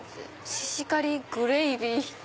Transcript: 「シシカリグレイビー」。